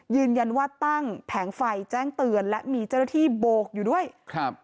ยืนยันว่าตั้งแผงไฟแจ้งเตือนและมีเจ้าหน้าที่โบกอยู่ด้วยครับ